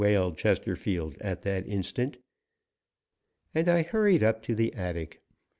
wailed Chesterfield at that instant, and I hurried up to the attic.